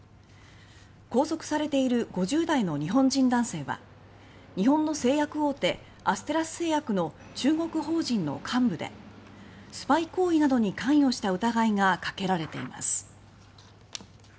拘束されている５０代の日本人男性は日本の製薬大手アステラス製薬の中国法人の幹部でスパイ行為などに関与した疑いがかけられています。